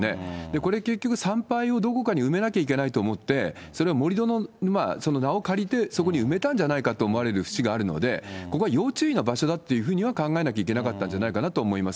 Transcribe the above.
これ結局、産廃をどこかに埋めなきゃいけないと思って、それを盛り土の名を借りて、そこに埋めたんじゃないかと思われるふしがあるので、ここは要注意の場所だっていうふうには考えなきゃいけなかったんじゃないかなと思います。